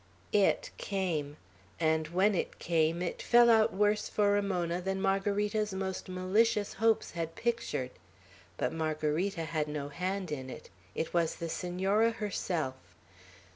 X IT came. And when it came, it fell out worse for Ramona than Margarita's most malicious hopes had pictured; but Margarita had no hand in it. It was the Senora herself.